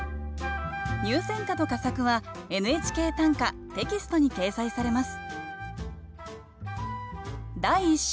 入選歌と佳作は「ＮＨＫ短歌」テキストに掲載されます